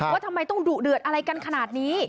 ว่าทำไมต้องดุเดือดอะไรกันขนาดนี้